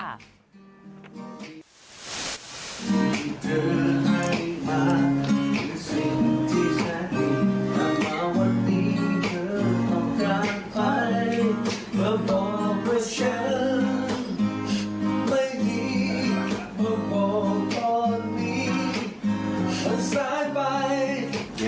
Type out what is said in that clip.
คนมีความสระบาย